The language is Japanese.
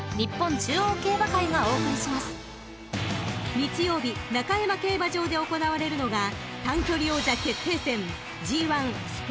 ［日曜日中山競馬場で行われるのが短距離王者決定戦］